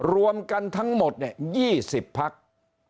รวมกันทั้งหมด๒๐พัก